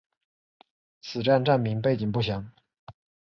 此站站名背景不详。